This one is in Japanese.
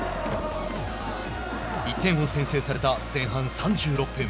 １点を先制された前半３６分。